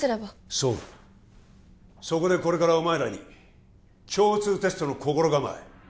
そうだそこでこれからお前らに共通テストの心構え